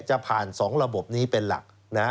จะผ่าน๒ระบบนี้เป็นหลัก